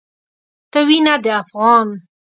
ته وينه د افغان